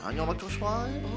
tanya sama cua suami